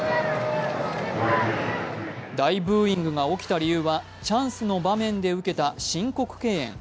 大ブーインクが起きた理由は、チャンスの場面で受けた申告敬遠。